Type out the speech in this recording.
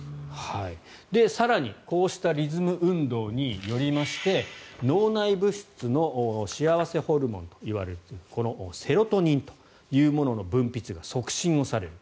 更にこうしたリズム運動によりまして脳内物質の幸せホルモンといわれるセロトニンというものの分泌が促進される。